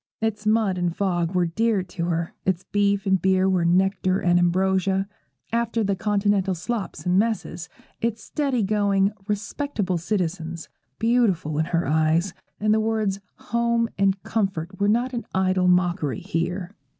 Its mud and fog were dear to her; its beef and beer were nectar and ambrosia, after the continental slops and messes; its steady going, respectable citizens, beautiful in her eyes, and the words 'home' and' comfort' were not an idle mockery here.